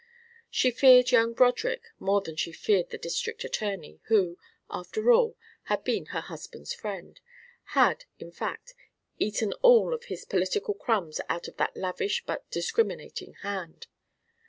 She feared young Broderick more than she feared the district attorney, who, after all, had been her husband's friend had, in fact, eaten all of his political crumbs out of that lavish but discriminating hand.